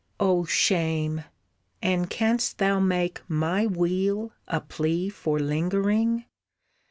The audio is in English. "Oh shame! And canst thou make my weal A plea for lingering!